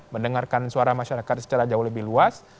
mendengarkan suara masyarakat secara jauh lebih luas